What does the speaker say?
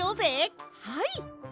はい！